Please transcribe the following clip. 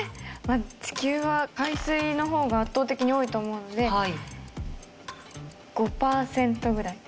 地球は海水の方が圧倒的に多いと思うので５パーセントぐらい？